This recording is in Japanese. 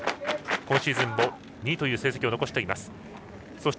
今シーズンも２位という成績を残しています。